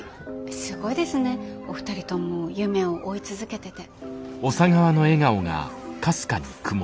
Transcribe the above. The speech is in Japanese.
すごいですねお二人とも夢を追い続けてて。